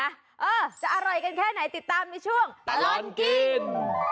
เออจะอร่อยกันแค่ไหนติดตามในช่วงตลอดกิน